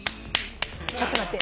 ちょっと待って。